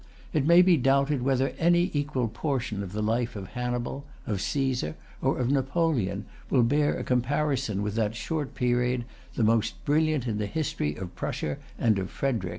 It may be doubted whether any equal portion of the life of Hannibal, of Cæsar, or of Napoleon, will bear a comparison with that short period, the most brilliant in the history of Prussia and of Frederic.